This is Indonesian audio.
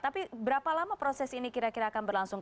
tapi berapa lama proses ini kira kira akan berlangsung